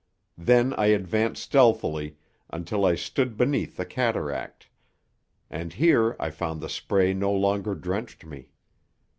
Then I advanced stealthily until I stood beneath the cataract; and here I found the spray no longer drenched me.